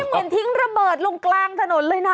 เหมือนทิ้งระเบิดลงกลางถนนเลยนะ